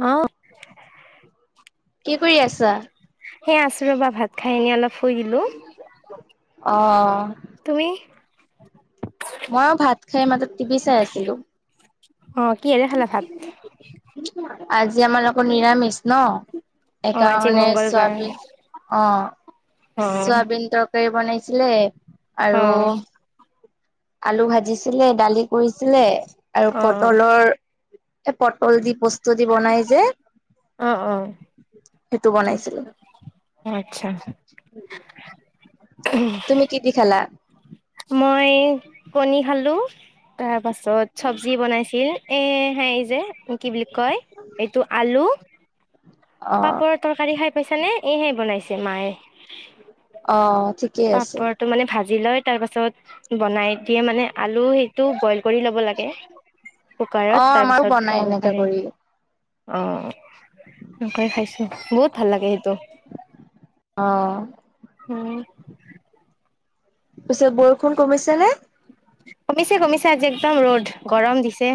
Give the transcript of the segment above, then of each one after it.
অ। কি কৰি আছা? সেইয়া আছো ৰবা ভাত খাই এনে অলপ শুই দিলোঁ। অ অ। তুমি? মই ভাত খাই মাজত টিভি চাই আছিলো। অ কিহেৰে খালা ভাত? আজি আমালোকৰ নিৰামিষ ন। অ আজি একাৰণে চোৱা মংগলবাৰ বুলি অ, অ চোৱাবিন তৰকাৰী বনাইছিলে অ আৰু আলু ভাজিছিলে, দালি কৰিছিলে আৰু অ পটলৰ এ পটল দি পস্তু দি বনাই যে, অ অ সেইটো বনাইছিলো। আচ্ছা, উহুম। তুমি কি দি খালা? মই কণী খালো। তাৰ পাছত চব্জি বনাইছিল, এ হেই যে কি বুলি কয় এইটো আলু অ পাপৰৰ তৰকাৰী খাই পাইছ নে এইহে বনাইছে মায়ে। অ ঠিক পাপৰ ত মানে ভাজি লয় তাৰ পাছত বনাই দিয়ে মানে আলু সেইটো বইল কৰি ল'ব লাগে। অ কুকাৰত তাৰ আমাৰো পাছত বনাই বহাব এনেকা পাৰে। কৰি অ সেনেকৈ খাইছো বহুত ভাল লাগে। ত অ উমঁ। পিছে বৰষুণ কমিছে নে? কমিছে কমিছে আজি একদম ৰ'দ গৰম দিছে।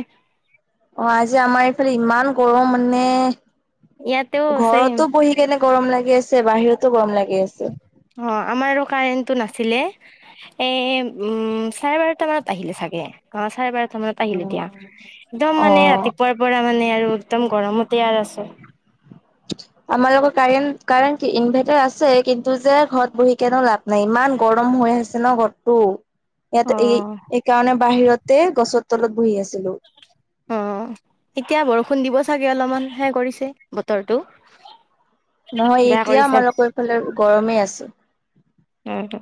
অঁহ আজি আমাৰ এইফালে ইমান গৰম মানে, ইয়াতেও চেইম ঘৰতো বহি কেনে গৰম লাগি আছে বাহিৰতো গৰম লাগি আছে। অঁহ আমাৰ কাৰেনটো নাছিলে। এ উম চাৰে বাৰটা মানত আহিলে চাগে অ চাৰে বাৰটা মানত আহিলো দিয়া, একদম অ মানে ৰাতিপুৱাৰ পৰা মানে আৰু একদম গৰমতে আৰু আছে। [unintelligible] আমাৰ লগৰ কাৰেণ্ট কাৰেণ্ট ইনভাৰ্টাৰ আছে কিন্তু যে ঘৰত বহি কেনো লাভ নাই ইমান গৰম হৈ আ আছে ন গৰতটো অ ইয়াতে এই এই কাৰণে বাহিৰতে গছৰ তলত বহি আছিলো। অঁহ এতিয়া বৰষুণ দিব চাগে অলপমান হে কৰিছে বতৰটো? নহয় বেয়া এতিয়া কৰিছে আমাৰ লোকৰ এইফালে গৰমেই আছো। সেইটো।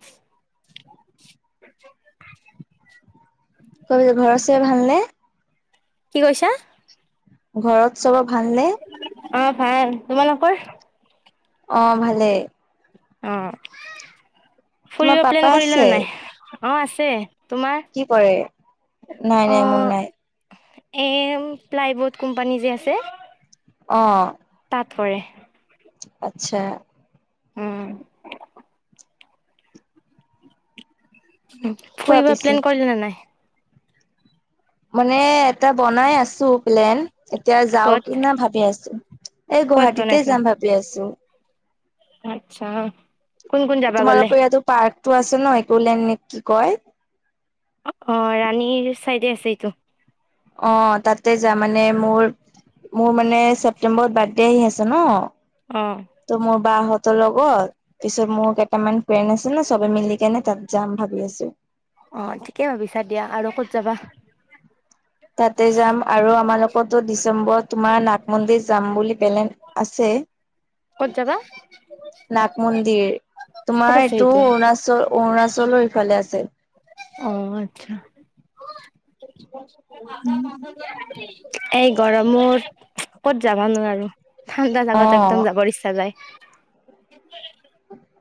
কৈ ঘৰত চবৰে ভাল নে? কি কৈছা? ঘৰত চবৰ ভালনে? অ ভাল, তোমালোকৰ? অ, ভালেই। অঁহ, তোমাৰ ফুৰিব পাপা প্লেন কৰিলে আছে? নে নাই? অঁহ আছে তোমাৰ? কি কৰে, নাই নাই মোৰ নাই। এম ফ্লাই বোৰ্ড কোম্পানী যে আছে। অঁহ তাত কৰে। আচ্ছা। উম। কোৱা ফুৰিব পিছে প্লেন কৰিলে নে নাই? মানে এটা বনাই আছো প্লেন। এতিয়া যাও ক'ত কি ন ভাবি আছো এই ক'ত গুৱাহাটীতে বনাইছিলা যাম ভাবি আছো। আচ্ছা, কোন কোন যাবা গলে? পাৰ্ক টো আছে ন একোলেণ নে কি কয়? অ', অ, ' ৰাণীৰ চাইডে আছে এইটো। অ, তাতে যা মানে মোৰ মোৰ মানে ছেপ্টে্বৰত বাৰ্থডে আহি আছে ন। অ, ত' মোৰ বাহতৰ লগত পিছত মোৰ কেইটামান ফ্ৰেণ্ড আছে ন চবে মিলি কেনে তাত যাম ভাবি আছো। অ, ঠিকে ভাবিছা দিয়া আৰু ক'ত যাবা? তাতে যাম আৰু আমাৰোকতো ডিচেম্বৰত তোমাৰ নাগ মন্দিৰ যাম বুলি প্লেন আছে। ক'ত যাবা নাগ মন্দিৰ ক'ত তোমাৰ আছে এইটো অৰুণাচল অৰুণাচলৰ ইফালে আছে। অ, আচ্ছা, এই গৰমত ক'ত যাবা নোৱাৰো ঠাণ্ডা জাগাত একদম অ'। যাবৰ ইচ্ছা যায়।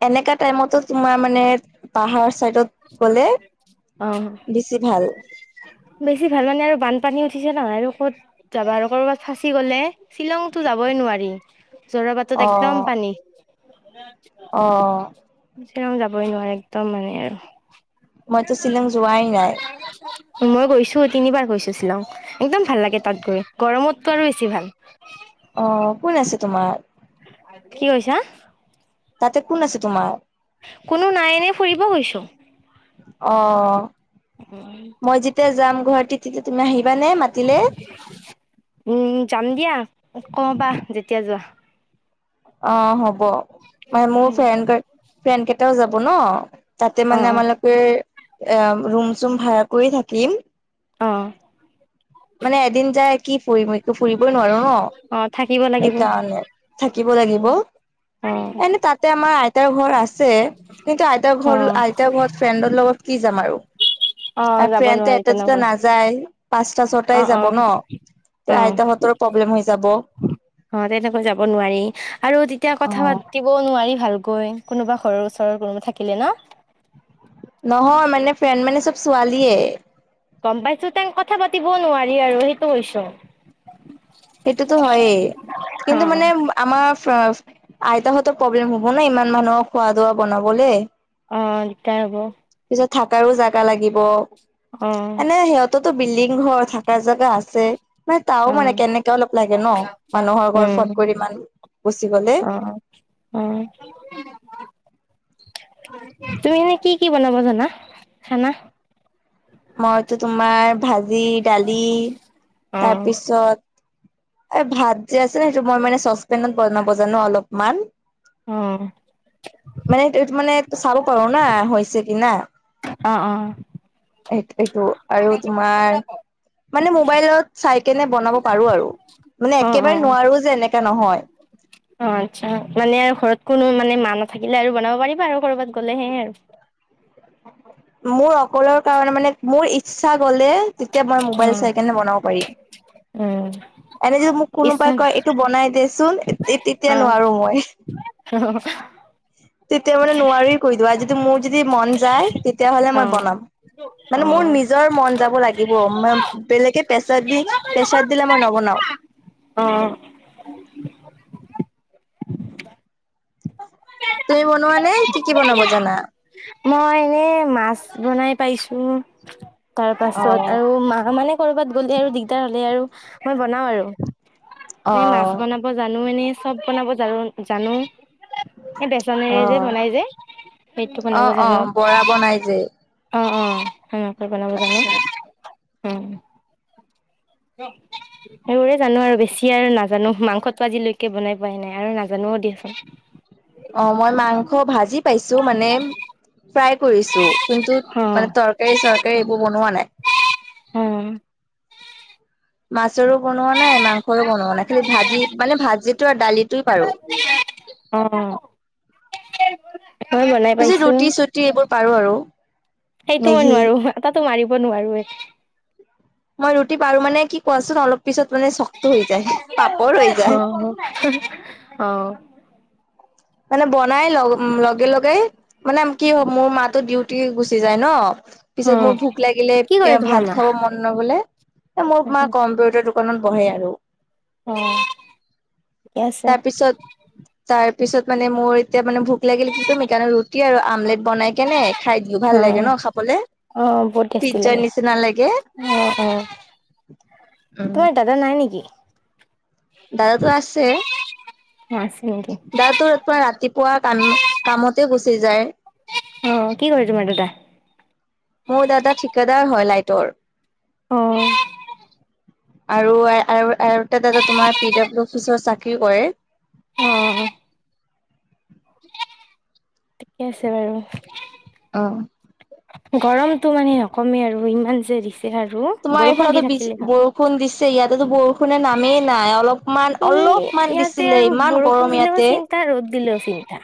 এনেকা টাইমতো তোমাৰ মানে পাহাৰ চাইডত গলে অ বেছি ভাল। বেছি ভাল মানে আৰু বানপানী উঠিছে নহয় আৰু ক'ত যাবা আৰু ক'বাত ফাঁচি গ'লে। শ্বিলংতো যাবই নোৱাৰি জৰাবাটত একদম অ', পানী। অ, তেওঁ যাবই নোৱাৰে একদম মানে মইতো শ্বিলং যোৱাই নাই আৰু। মই গৈছো তিনিবাৰ গৈছো শ্বিলং একদম ভাল লাগে তাত গৈ গৰমততো আৰু বেছি ভাল। অ, কোন আছে তোমাৰ? কি কৈছা? তাতে কোন আছে তোমাৰ? কোনো নাই এনে ফুৰিব গৈছো। অ, মই যেতিয়া যাম গুৱাহটিত তেতিয়া তুমি আহিবানে মাতিলে? উম, যাম দিয়া কবা যেতিয়া যোৱা। অ, হ'ব মানে মোৰ ফ্ৰেণ্ড-ফ্ৰেণ্ড কেইটাও যাব ন। তাতে অ মানে আমালোকে এ ৰুম চুম ভাড়া কৰি থাকিম। অ, মানে এদিন যায় কি ফুৰিম ফুৰিবই নোৱাৰো অ থাকিব ন লাগিব সেইকাৰণে। শিকিব অ লাগিব। অ এনে তাতে আমাৰ আইতাৰ ঘৰ আছে কিন্তু আইতাৰ অ ঘৰ আইতাৰ ঘৰত ফ্ৰেণ্ডৰ লগত কি যাম আৰু অ আৰু যাব ফ্ৰেণ্ড নোৱাৰি এটা দুটা তেনেকুৱা না যায় পাঁচটা অ ছটাই অ যাব ন অ আইতৰ প্ৰব্লেম হৈ যাব। অ তেনেকৈ যাব নোৱাৰি আৰু তেতিয়া কথা পা পাতিবও নোৱাৰি ভালকৈ কোনোবা ঘৰৰ ওচৰৰ ৰুম থাকিলে ন নহয় মানে ফ্ৰেণ্ড মানে চব ছোৱালীয়ে গম পাইছো তাই কথা পাতিবও নোৱাৰি আৰু সেইটো কৈছোঁ। সেইটোতো হয়েই কিন্তু মানে আমাৰ আইতাহঁতৰ প্ৰব্লেম হ'ব ন ইমান মানুহৰ খোৱা ধোৱা বনাবলে। অ, দিগদাৰ হ'ব। পিছত থাকাৰো জাগা লাগিব অ এনে সিহঁত তো টো বিল্ডিং ঘৰ থাকা জাগা আছে মানে অ তাও মানে কেনেকে অলপ লাগে ন মানুহৰ ঘৰ উম ফট কৰি ইমান গুচি গ'লে। অ', অ', তুমি এনে কি-কি বনাব জানা খানা? মইতো তোমাৰ ভাজি, দালি অ তাৰপিছত এই ভাত যে আছে সেইটো মই মানে চচপেনত বনাব জানো অলপমান। অ। মানে এইটো মানে চাল কৰো না হৈছে কি না। অ, অ। এই এইটো আৰু তোমাৰ। মানে মোবাইলত চাই কেনে বনাব পাৰো আৰু মানে অ অ একেবাৰে নোৱাৰো যে এনেকা নহয়। অ আতচ্ছা মানে আৰু ঘৰত কোনো মানে মা নাথাকিলে আৰু বনাব পাৰিবা আৰু কৰ'বাত গ'লে সেইয়ে আৰু। মোৰ অকলৰ কাৰণে মানে মোৰ ইচ্ছা গ'লে তেতিয়া মই অ মোবাইল চাই কেনে বনাব পাৰিম। উম এনে যদি মোক ইচ্ছা কোনোবাই কয় এইটো বনাই দেচোন তে তেতিয়া নোৱাৰো মই। অহহ হ তেতিয়া মানে নোৱাৰি কৈ দিওঁ আৰু যদি মোৰ যদি মন যায় তেতিয়াহ'লে অ মই বনাম। মানে মোৰ নিজৰ মন যাব লাগিব, বেলেগে পেছা দি। প্ৰেছাৰ দিলে মই নবনাও। অ। তুমি বনোৱা নে কি কি বনাব জানা? মই এনে মাছ বনাই পাইছো তাৰ পাছত অ', আৰু মা মানে কৰ'বাত গ'লে আৰু দিগদাৰ হলে আৰু মই বনাও আৰু। এনে অ', মাছ বনাব জানো এনে চব বনাব জানো, জানো এ বেচনেৰে যে অ', বনাই যে সেইটো বনাব অ', জানো। অ', বৰা বনাই যে অ অ হেনেক বনাব জানো। আচ্ছা অ ৰহ। সেইবোৰে জানো আৰু বেছি আৰু নাজানো মাংসটো আজিলৈকে বনাই পোৱাই নাই আৰু নাজানোও দিয়াচোন [unintelligible] অ মই মাংস ভাজি পাইছো মানে ফ্ৰাই কৰিছো। কিন্তুত মানে তৰকাৰী চৰকাৰী এইবোৰ বনোৱা নাই। বে, উম। মাছৰো বনোৱা নাই, মাংসৰো বনোৱা নাই, খালি ভাজি মানে ভাজিটো আৰু দালিটোৱে পাৰো অ। মই বনাই পিছত পাইছো ৰুটি চুটি এইবোৰ পাৰো আৰু সেইটো মই মেগী নোৱাৰো আতাতো মাৰিব নোৱাৰো এ মই ৰুটি পাৰো মানে কি কোৱাচোন অলপ পিছত মানে চক্ত হৈ যায়, পাপৰ হৈ যায়। অ। মানে বনাই লগ লগে লগেই মানে কি হয় মোৰ মা টো ডিউটি টি গুচি যায় ন পিছত উম, মোৰ ভোক লাগিলে কি কৰে তোমাৰ ভাত মা? খাব মন নগলে মোৰ মা কম্পিউটাৰ দোকানত বহে আৰু। অ, ঠিকে আছে। তাৰপিছত, তাৰপিছত মানে মোৰ এতিয়া মানে ভোক লাগিলে কি কৰিম কাৰণে ৰুটি আৰু আমলেট বনাই কেনে খাই দিও, ভাল লাগে অ', ন খাবলে? অ বহুত টেষ্টি পিজ্জাৰ লাগে নিচিনা লাগে অ, অ উম উ। তোমাৰ দাদা নাই নেকি? দাদাটো আছে। অ আছে নেকি? দাদাটো ৰাতিপুৱা কাম কামতে গুচি যায়। অ অ কি কৰে তোমাৰ দাদা? মোৰ দাদা ঠিকাদাৰ হয় লাইটৰ। অ অ মে এ এ এ এ আৰু আৰু আৰু এটা দাদা তোমাৰ পি ডাব্লিউ অফিচৰ চাকৰি কৰে। অ', ঠিকে আছে বাৰু। অ উ। গৰমটো মানে নকমেই আৰু ইমান যে দিছে আৰু তোমাৰ বৰষুণ দি এইফালেতো বেছি থাকিলে ভাল। বৰষুণ দিছেই, ইয়াতেতো বৰষুণে নামেই নাই অলপমান এই অলপ অকমান দিছিলে ইমান গৰম ইয়াতে। তাৰ ৰ'দ দিলেও চিন্তা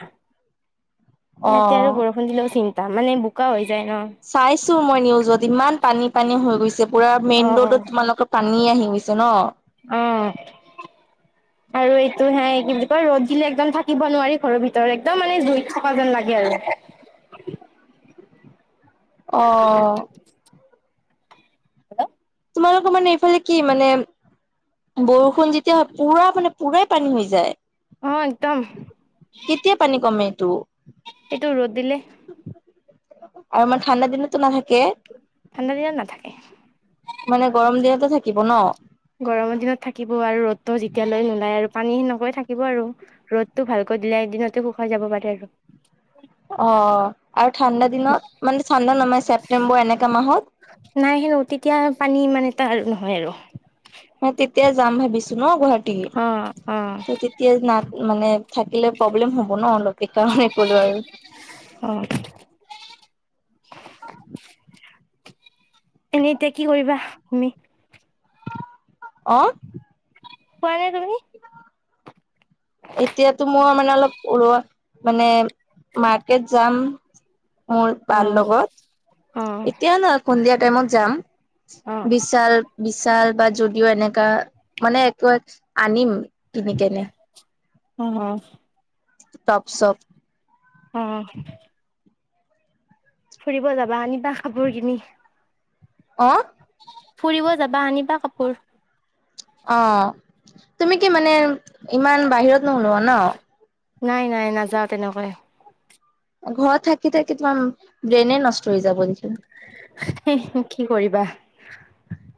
অ ইয়াতে আৰু বৰষুণ দিলেও চিন্তা, মানে বোকা হৈ যায় ন। চাইছো মই নিউজত ইমান পানী-পানী হৈ গৈছে পুৰা মেইন অ', ৰোডত তোমালোকৰ পানী আহিগৈছে ন। এ এ এ এ আৰু এইটো হে কি বুলি কয় ৰ'দ দিলে একদম থাকিব নোৱাৰি ঘৰৰ ভিতৰত একদম মানে জুইত থকা যেন লাগে আৰু অ অ অ অ হেল্ল, তোমালোকৰ মানে এইফালে কি মানে বৰষুণ যেতিয়া হয় পুৰা মানে পুৰাই পানী হৈ যায়। অ একদম, মে এ এ কেতিয়া এ পানী এ, কমে মে এইটো এ এ এ এইটো ৰ'দ দিলে। আৰু আমাৰ ঠাণ্ডা দিনতো নাথাকে। ঠাণ্ডা দিনত নাথাকে। মানে গৰম দিনতে থাকিব ন। গৰমৰ দিনত থাকিব আৰু ৰ'দতো যেতিয়ালৈ নোলায় আৰু পানী সেনেকৈ থাকিব আৰু ৰ'দটো ভালকৈ দিলে এদিনতে শুকাই যাব পাৰে আৰু অ অ অ আৰু ঠাণ্ডা দিনত, মানে ঠাণ্ডা নমাই ছেপটেম্বৰ এনেকা মাহত নাই হেনো তেতিয়া পানী ইমান এটা নহয় আৰু মই তেতিয়া যাম ভাবিছো ন গুৱাহাটী অ' অ' ত তেত এতিয়া নাত মানে থাকিলে প্ৰব্লেম হব ন অলপ সেইকাৰণে কলো আৰু অ অ এনেই এতিয়া কি কৰিবা তুমি? অ খোৱা নাই তুমি? এতিয়াতো মোৰ মানে অলপ ওলোৱা মানে মাৰ্কেট যাম। মোৰ বাৰ অ' লগত, অ' এতিয়া না সন্ধিয়া টাইমত যাম। সি অ' বিশাল, বিশাল বা যুদিও এনেকা মানে একো এক আনিম। কিনিকেনে। অ আস। টপ-ছপ। উম উ ফুৰিব যাবা আনিবা কাপোৰ কিনি। অ অ ফুৰিব যাবা, আনিবা কাপোৰ। অ তুমি কি মানে ইমান বাহিৰত নহোলোৱা ন? নাই নাই নাযাওঁ তেনেকৈ। ঘৰত থাকি থাকি তোমাৰ ব্ৰেইনে নষ্ট হৈ যাব নেকি। হে হে কি কৰিবা?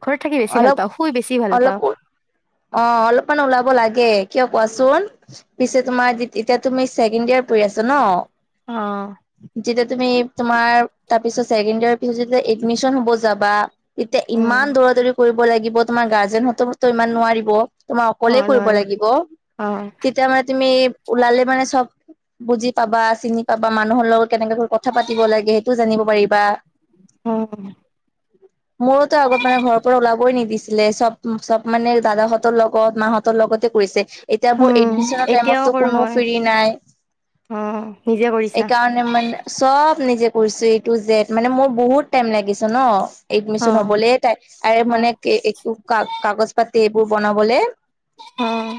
ঘৰত থাকি বেছি ভাল অলপ পাওঁ শুই বেছি ভাল পাওঁ অলকূৰ। অ অ, অলপমান ওলাব লাগে কিয় কোৱাচোন? পিছে তোমাৰ তিত এতিয়া তুমি ছেকেণ্ড ইয়াৰ পঢ়ি আছা ন। অ অ অ যেতিয়া তুমি তোমাৰ তাৰপিছত ছেকেণ্ড ইয়াৰৰ পিছত যেতিয়া এডমিশন হ'ব যাবা। তেতিয়া উম ইমান দৌৰা দৌৰি কৰিব লাগিব। তোমাৰ গাৰ্জেনহততো ইমান নোৱাৰিব? তোমাৰ অ অকলে কৰিব নোৱাৰিম লাগিব, অ তেতিয়া মানে তুমি ওলালে মানে চব বুজি পাবা, চিনি পাবা, মানুহৰ লগত কেনেকে ধৰ কথা পাতিব লাগে, সেইটো জানিব পাৰিবা। উম। মোৰোতো আগত মানে ঘৰ পৰা ওলাবই নিদিছিলে চব চব মানে দাদাহঁতৰ লগত মাহঁতৰ লগতে কৰিছে। এতিয়া মোৰ উম এডমিচনৰ এতিয়াও টাইমতো কৰো কোনো মই ফ্ৰী নাই। অ নিজে কৰিছা এইকাৰণে মে মানে চব নিজে কৰিছো এ টু জেদ। মানে মোৰ বহুত টাইম লাগিছে ন। অ এডমিচন হবলৈ, তাই ত অ মানে কাগজ পাতি এইবোৰ বনাবলে। উম।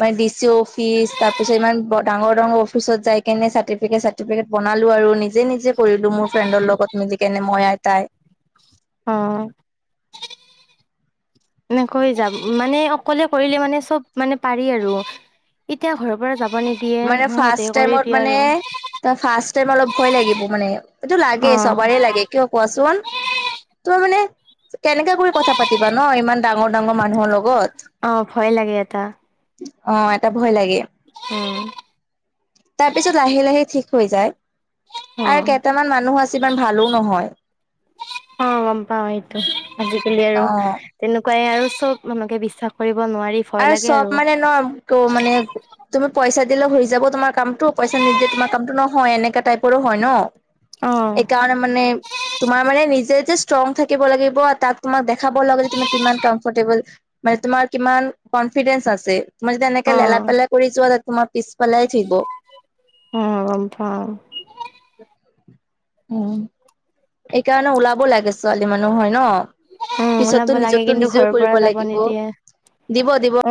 মানে ডি চি অফিচ, তাৰ পিছত ইমান ডাঙৰ ডাঙৰ অফিচত যাই কেনে চাৰ্টিফিকেট চাৰ্টিফিকেট ত বনালো আৰু নিজে নিজে কৰিলো মোৰ ফ্ৰেণ্ডৰ লগত মিলি কেনে মই আৰু তাই। অহ। এনেকৈ যাম মানে অকলে কৰিলে মানে চব মানে পাৰি আৰু। এতিয়া ঘৰৰ পৰা যাব নিদিয়ে মানে সিহঁতে ফাৰ্ষ্ট কৰি টাইমত দিয়ে মানে আৰু। ত ফাৰ্ষ্ট টাইম অলপ ভয় লাগিব মানে, এইটো লাগে অ চবৰে লাগে। কিয় কোৱাচোন, তোৰ মানে কেনেকা কৰি কথা পাতিবা ন ইমান ডাঙৰ ডাঙৰ মানুহৰ অ ভয় লাগে এটা লগত। অ এটা ভয় লাগে। উম। তাৰপিছত লাহে লাহে ঠিক হৈ যায়। অ আৰু কেইটামান মানুহ আছে ইমান ভালো নহয়। উম গম পাও এইটো, আজিকালি আৰু অ তেনেকুৱাই আৰু চব মানুহকে বিশ্বাস কৰিব নোৱাৰি। ভয় আৰু লাগে চব মানে ন ক মানে তুমি পইচা দিলে হৈ যাব তোমাৰ কামটো, পইচা নিদিলে তোমাৰ কামটো নহয়। এনেকা টাইপৰো হয় ন। অ', এইকাৰণে মানে তোমাৰ মানে নিজে যে ষ্ট্ৰং থাকিব লাগিব। আৰু তাক তোমাক দেখাব লাগে যে তুমি কিমান কমফৰ্টেবল। মানে তোমাৰ কিমান কনফিডেঞ্চ আছে। তুমি যদি এনেকে লেলা অ'। পেলাই কৰি যোৱা তোমাৰ পিছ পেলাই থইব। অ গম পাওঁ। উ, এইকাৰণে ওলাব লাগে। ছোৱালী মানুহ হয় ন। উম ওলাব পিছতটো লাগে নিজৰটো কিন্তু নিজেও ঘৰৰ পৰা কৰিব যাব লাগিব, নিদিয়ে। দিব দিব। অ